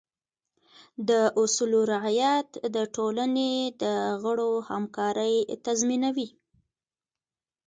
د اصولو رعایت د ټولنې د غړو همکارۍ تضمینوي.